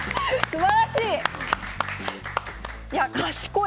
すばらしい！